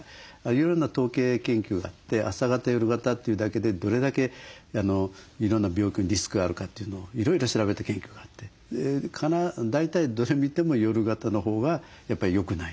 いろいろな統計研究があって朝型夜型というだけでどれだけいろんな病気のリスクがあるかというのをいろいろ調べた研究があって大体どれ見ても夜型のほうがやっぱりよくないんですね。